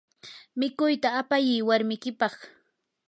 mikuyta apayi warmikipaq.